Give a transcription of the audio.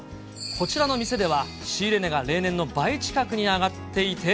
こちらの店では、仕入れ値が例年の倍近くに上がっていて。